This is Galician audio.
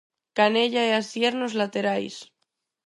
Canella e Asier nos laterais.